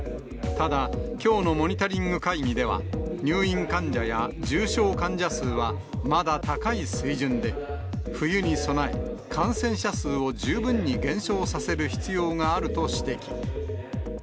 ただ、きょうのモニタリング会議では、入院患者や重症患者数はまだ高い水準で、冬に備え、感染者数を十分に減少させる必要があると指摘。